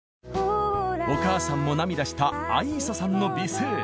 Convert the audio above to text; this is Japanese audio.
お母さんも涙した相磯さんの美声。